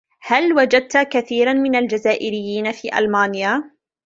هل وجدت كثيرا من الجزائريين في ألمانيا ؟